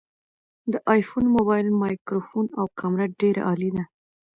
د آیفون مبایل مایکروفون او کامره ډیره عالي ده